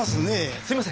すいません！